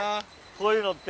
こういうのって。